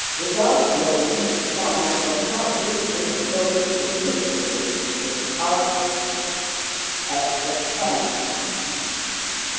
—without knowing why or how this bit of boastful patriotism slipped out at the end.